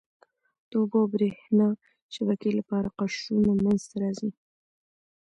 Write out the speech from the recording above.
د اوبو او بریښنا شبکې لپاره قشرونه منځته راځي.